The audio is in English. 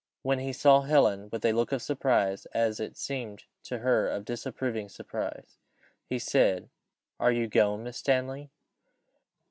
When he saw Helen with a look of surprise as it seemed to her, of disapproving surprise he said, "Are you gone, Miss Stanley?"